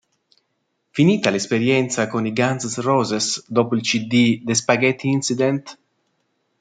Finita l'esperienza con i Guns N' Roses dopo il cd "The Spaghetti Incident?